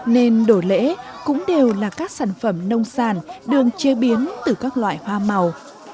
nên đổi lễ cũng đều là các sản phẩm nông sản đường chế biến từ các loại hoa màu